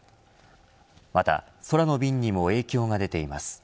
また空の便にも影響が出ています。